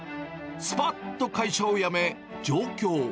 すぱっと会社を辞め、上京。